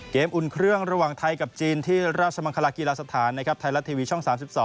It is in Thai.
อุ่นเครื่องระหว่างไทยกับจีนที่ราชมังคลากีฬาสถานนะครับไทยรัฐทีวีช่อง๓๒